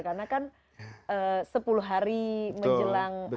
karena kan sepuluh hari menjelang